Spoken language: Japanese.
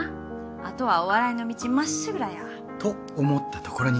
あとはお笑いの道まっしぐらや。と思ったところに。